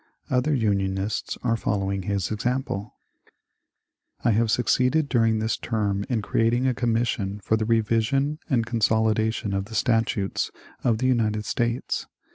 Other Unionists are following his example. <^' 90 MONCDRE DANIEL CONWAY I have succeeded during this term in creating a commission for the revision and consolidation of the statutes of the United States.